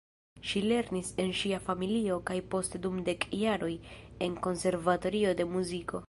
Ŝi lernis en ŝia familio kaj poste dum dek jaroj en konservatorio de muziko.